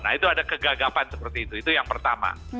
nah itu ada kegagapan seperti itu itu yang pertama